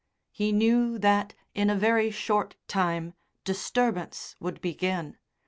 He knew that, in a very short time, disturbance would begin.